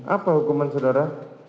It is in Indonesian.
apa hukuman saudara